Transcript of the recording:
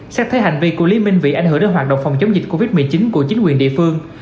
xét thấy hành vi của lý minh vị ảnh hưởng đến hoạt động phòng chống dịch covid một mươi chín của chính quyền địa phương